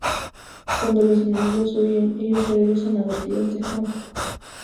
Cuando los enemigos huyen, ellos regresan abatidos a Konoha.